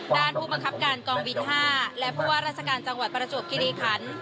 ผู้บังคับการกองบิน๕และผู้ว่าราชการจังหวัดประจวบคิริขัน